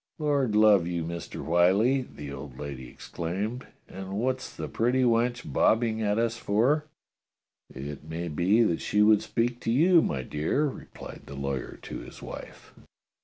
"Lord love you. Mister Whyllie," the old lady ex claimed, "and what's the pretty wench bobbing at us for?" "It may be that she would speak to you, my dear," replied the lawyer to his wife.